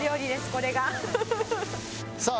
これが。さあ！